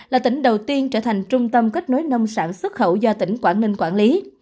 là tỉnh đầu tiên trở thành trung tâm kết nối nông sản xuất khẩu do tỉnh quảng ninh quản lý